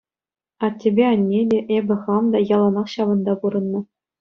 Аттепе анне те, эпӗ хам та яланах ҫавӑнта пурӑннӑ...